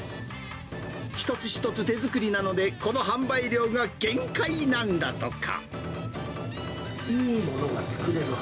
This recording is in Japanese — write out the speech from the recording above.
一つ一つ手作りなので、この販売量が限界なんだとか。